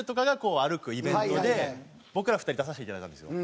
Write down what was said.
イベントで僕ら２人出させていただいたんですよ。